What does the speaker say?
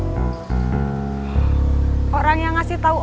orang orang yang nyopet itu ketahuan